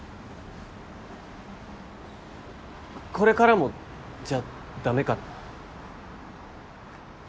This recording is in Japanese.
これからもじゃダメかな？